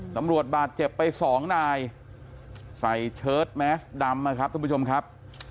ตำรวจบาดเจ็บไปสองนายใส่เชิดแมสดำนะครับทุกผู้ชมครับ